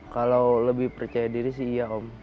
kalau lebih percaya diri sih iya om